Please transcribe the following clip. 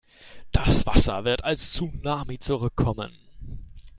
Das Wasser wird als Tsunami zurückkommen.